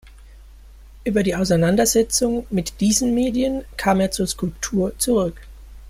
Über die Auseinandersetzung mit diesen Medien kam er zur Skulptur zurück.